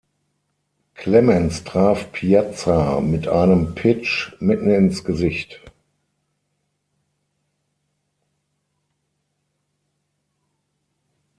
Clemens traf Piazza mit einem Pitch mitten ins Gesicht.